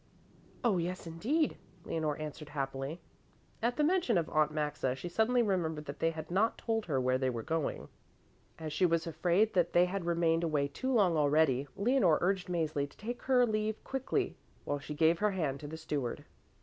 "Oh, yes indeed," Leonore answered happily. At the mention of Aunt Maxa she suddenly remembered that they had not told her where they were going. As she was afraid that they had remained away too long already, Lenore urged Mäzli to take her leave quickly, while she gave her hand to the steward.